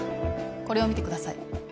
これを見てください。